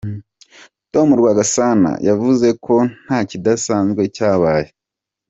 Tom Rwagasana, yavuze ko nta kidasanzwe cyabaye.